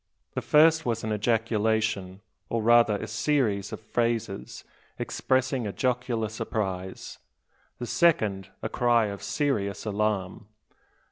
The first was an ejaculation, or rather a series of phrases expressing a jocular surprise, the second a cry of serious alarm.